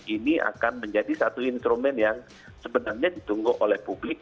ini akan menjadi satu instrumen yang sebenarnya ditunggu oleh publik